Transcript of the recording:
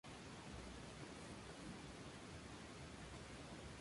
Depositan los huevos en el haz de las hojas.